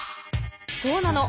そうなの。